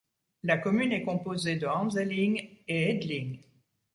La commune est composée de Anzeling et Edling.